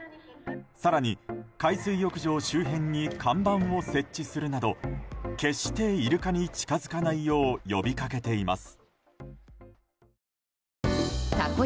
更に、海水浴場周辺に看板を設置するなど決してイルカに近づかないよう呼びかけています。